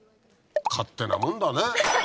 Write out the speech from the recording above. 勝手なもんだね。